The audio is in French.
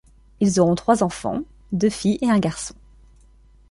Ils auront trois enfants, deux filles et un garçon.